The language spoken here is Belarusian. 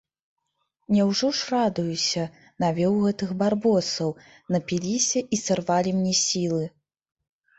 Няўжо ж радуюся, навёў гэтых барбосаў, напіліся і сарвалі мне сілы.